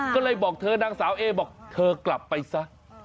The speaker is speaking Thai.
ก็เลยบอกเธอนางสาวเอบอกเธอกลับไปซะ